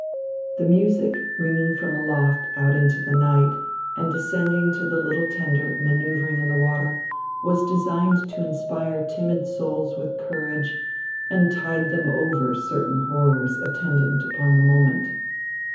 The music ringing from aloft out into the night and descending to the little tender manoeuvring in the water, was designed to inspire timid souls with courage and tide them over certain horrors attendant upon the moment.